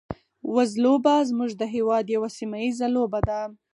وزلوبه زموږ د هېواد یوه سیمه ییزه لوبه ده.